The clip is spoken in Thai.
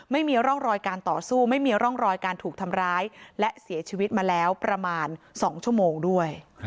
ไม่มีร่องรอยการต่อสู้ไม่มีร่องรอยการถูกทำร้ายและเสียชีวิตมาแล้วประมาณ๒ชั่วโมงด้วย